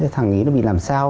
thằng ý nó bị làm sao